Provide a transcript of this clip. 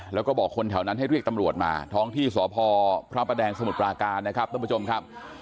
แล้วก็บอกคนแถวนั้นให้เรียกตำรวจมาท้องที่สวพพระอาปแดงสมุทรปราการ